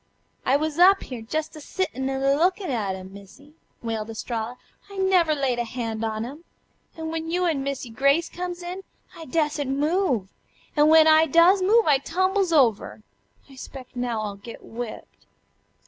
"I wuz up here, jest a sittin' an' a lookin' at 'em, Missy," wailed Estralla. "I never layed hand on 'em. An' when you an' Missy Grace comes in I da'sent move. An' then when I does move I tumbles over. I 'spec' now I'll get whipped."